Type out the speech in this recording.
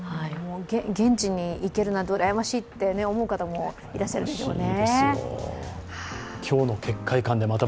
現地に行けるなんてうらやましいと思う方もいらっしゃるでしょうね。